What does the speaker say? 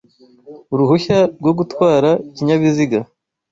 uruhushya rwo gutvara ikinyabiziga